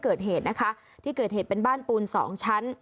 เกิดเหตุนะคะที่เกิดเหตุเป็นบ้านปูนสองชั้น